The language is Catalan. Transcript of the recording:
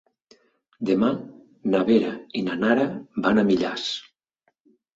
Demà na Vera i na Nara van a Millars.